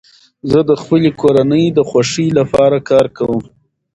زه د خپلي کورنۍ د خوښۍ له پاره کار کوم.